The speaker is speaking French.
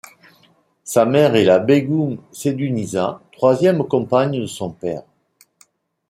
Sa mère est la bégum Saidunnisa, troisième compagne de son père.